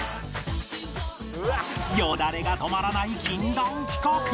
よだれが止まらない禁断企画